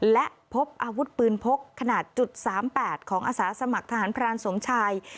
และพบอาวุธปืนพกขนาด๓๘ของอาสาสมัครทหารพรานสมชาย